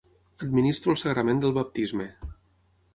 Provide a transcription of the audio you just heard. Administro el sagrament del baptisme.